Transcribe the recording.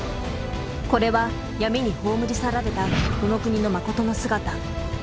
これは闇に葬り去られたこの国のまことの姿。